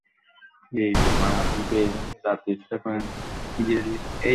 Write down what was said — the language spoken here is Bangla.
আর, কয়েক পেগ বিয়ার গিলতে পারলে তো আর কিছু চাওয়ার ছিল না!